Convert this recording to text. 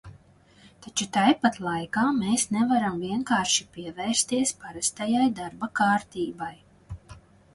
Taču tai pat laikā mēs nevaram vienkārši pievērsties parastajai darba kārtībai.